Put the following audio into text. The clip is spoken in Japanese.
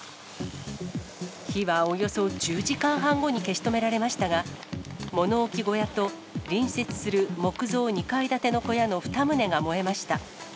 火はおよそ１０時間半後に消し止められましたが、物置小屋と隣接する木造２階建ての小屋の２棟が燃えました。